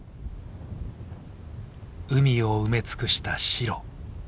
海を埋め尽くした白。